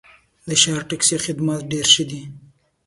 د ښار ټکسي خدمات ډېر ښه دي.